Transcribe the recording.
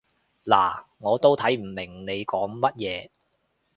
嗱，我都睇唔明你講乜嘢